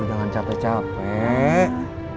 bu jangan capek capek